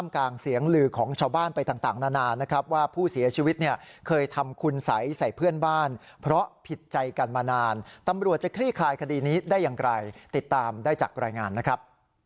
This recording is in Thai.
คดีนี้ได้อย่างไรติดตามได้จากรายงานนะครับ